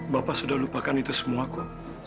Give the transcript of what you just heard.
bapak sudah lupakan itu semua kok